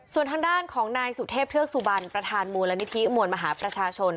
ส่วนทางด้านของนายสุเทพเทือกสุบันประธานมูลนิธิมวลมหาประชาชน